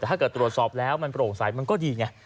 แต่ถ้าเกิดตรวจสอบแล้วมันโปร่งใสมันก็ดีไง